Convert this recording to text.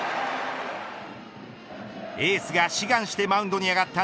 エースが志願してマウンドに上がった